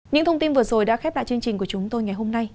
những thông tin vừa rồi đã khép lại chương trình của chúng tôi ngày hôm nay